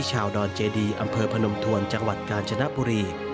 ดอนเจดีอำเภอพนมทวนจังหวัดกาญจนบุรี